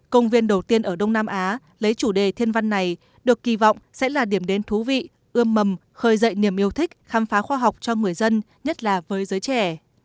công viên đầu tiên ở đông nam á lấy chủ đề thiên văn này được kỳ vọng sẽ là điểm đến thú vị ươm mầm khởi dậy niềm yêu thích khám phá khoa học cho người dân nhất là với giới trẻ